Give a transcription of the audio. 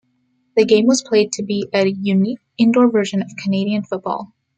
The game played was to be a unique indoor version of Canadian football.